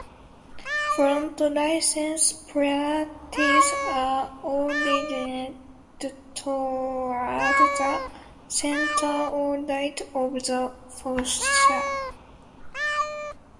Front license plates are aligned towards the center or right of the fascia.